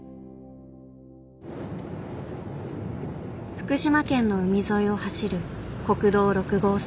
福島県の海沿いを走る国道６号線。